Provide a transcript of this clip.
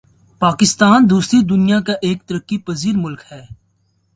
پاکستان دوسری دنیا کا ایک ترقی پزیر ملک ہے